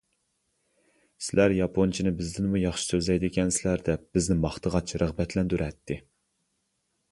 سىلەر ياپونچىنى بىزدىنمۇ ياخشى سۆزلەيدىكەنسىلەر دەپ بىزنى ماختىغاچ رىغبەتلەندۈرەتتى.